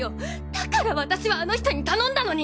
だから私はあの人に頼んだのに！！